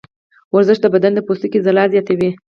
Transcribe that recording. ورزش د بدن د پوستکي ځلا زیاتوي.